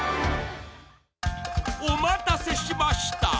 ［お待たせしました！